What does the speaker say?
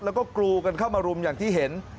แล้วก็กรูกันเข้ามารุมอย่างที่เห็น